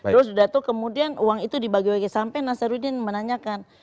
terus sudah tuh kemudian uang itu dibagi bagi sampai nasaruddin menanyakan